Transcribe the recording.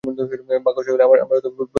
ভাগ্য সহায় হলে, আমার প্রতিশোধ নেবো আমি।